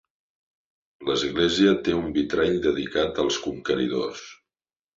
L'església té un vitrall dedicat als Conqueridors.